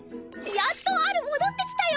やっとアル戻ってきたよ。